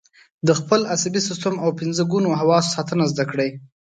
د خپل عصبي سیستم او پنځه ګونو حواسو ساتنه زده کړئ.